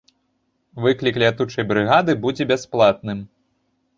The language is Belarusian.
Выклік лятучай брыгады будзе бясплатным.